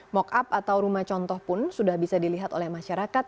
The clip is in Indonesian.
mock up atau rumah contoh pun sudah bisa dilihat oleh masyarakat